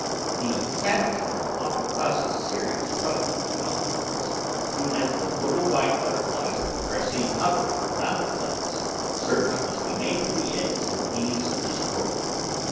The cabbage worm often causes serious trouble with the cauliflowers, and as soon as the little white butterflies are seen hovering about the plants, search must be made for the eggs and these de stroyed.